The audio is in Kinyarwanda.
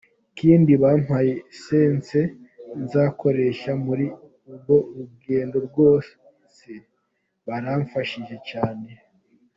Ikindi bampaye essence nzakoresha muri uru rugendo rwose, baramfashije cyane.